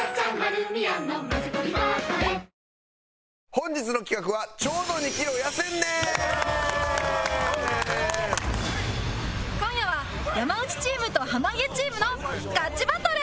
本日の企画は今夜は山内チームと濱家チームのガチバトル！